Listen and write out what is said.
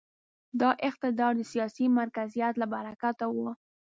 دا اقتدار د سیاسي مرکزیت له برکته و.